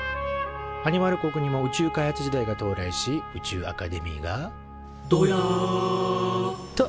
アニマル国にも宇宙開発時代が到来し宇宙アカデミーが「どや！」と誕生。